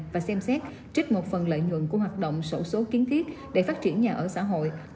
và xem xét trích một phần lợi nhuận của hoạt động sổ số kiến thiết để phát triển nhà ở xã hội